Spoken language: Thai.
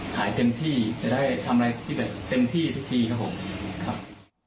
หายเต็มที่จะได้ทำอะไรที่แบบเต็มที่ทุกทีครับผมครับ